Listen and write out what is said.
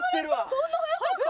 そんな速かった？